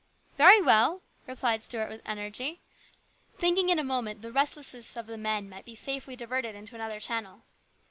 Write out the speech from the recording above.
" Very well," replied Stuart with energy, thinking in a moment the restlessness of the men might be safely diverted into another channel.